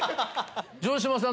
城島さん